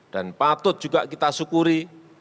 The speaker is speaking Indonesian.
dan patut juga kita syukuri